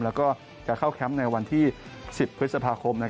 แล้วก็จะเข้าแคมป์ในวันที่๑๐พฤษภาคม